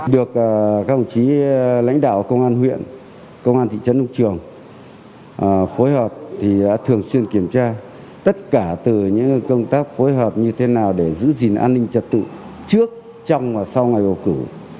được các ông chí lãnh đạo công an huyện công an thị trấn đông trường phối hợp thì đã thường xuyên kiểm tra tất cả từ những công tác phối hợp như thế nào để giữ gìn an ninh trật tự trước trong và sau ngày bầu cử